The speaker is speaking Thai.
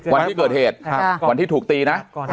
วันที่เกิดเหตุวันที่ถูกตีนะ